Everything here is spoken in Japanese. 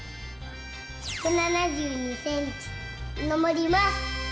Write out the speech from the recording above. １７２センチのぼります！